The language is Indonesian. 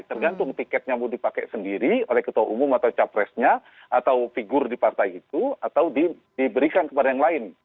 tergantung tiketnya mau dipakai sendiri oleh ketua umum atau capresnya atau figur di partai itu atau diberikan kepada yang lain